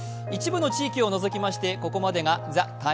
一部の地域を除きましてここまでが「ＴＨＥＴＩＭＥ’」。